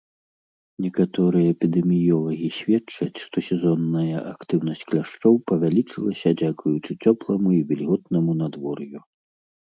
Некаторыя эпідэміёлагі сведчаць, што сезонная актыўнасць кляшчоў павялічылася дзякуючы цёпламу і вільготнаму надвор'ю.